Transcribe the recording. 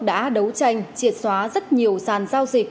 đã đấu tranh triệt xóa rất nhiều sàn giao dịch